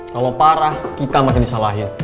kalau parah kita makin disalahin